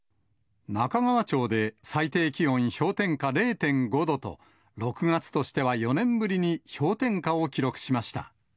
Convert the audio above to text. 中川町で最低気温氷点下０．５度と、６月としては４年ぶりに氷点下を記録しました。